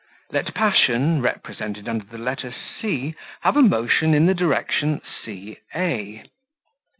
Let passion, represented under the letter c, have a motion in the direction c a.